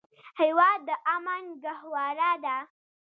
هېواد د امن ګهواره ده.